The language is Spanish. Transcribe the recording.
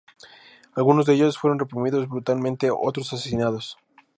Algunos de ellos fueron reprimidos brutalmente, otros asesinados.